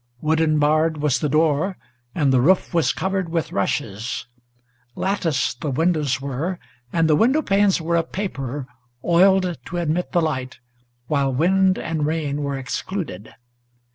Wooden barred was the door, and the roof was covered with rushes; Latticed the windows were, and the window panes were of paper, Oiled to admit the light, while wind and rain were excluded.